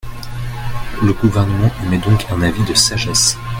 Le Gouvernement émet donc un avis de sagesse.